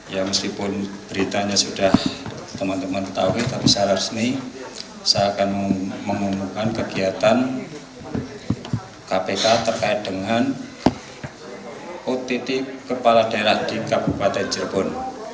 ya meskipun beritanya sudah teman teman ketahui tapi secara resmi saya akan mengumumkan kegiatan kpk terkait dengan ott kepala daerah di kabupaten cirebon